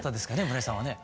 村井さんはね。